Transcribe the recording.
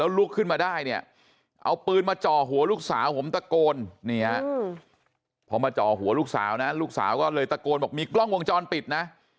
ลุกขึ้นมาได้เนี่ยเอาปืนมาจ่อหัวลูกสาวผมตะโกนนี่ฮะพอมาจ่อหัวลูกสาวนะลูกสาวก็เลยตะโกนบอกมีกล้องวงจรปิดนะ